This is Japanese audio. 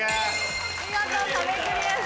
見事壁クリアです。